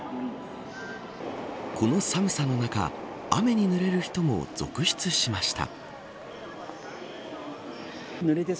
この寒さの中雨にぬれる人も続出しました。